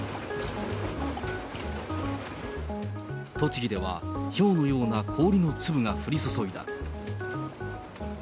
栃木ではひょうのような氷の粒が降り注いだ。